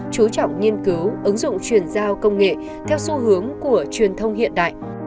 chú trọng nghiên cứu ứng dụng chuyển giao công nghệ theo xu hướng của truyền thông hiện đại